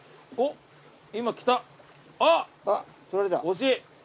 惜しい。